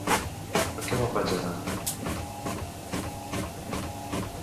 Per què me'n vaig anar?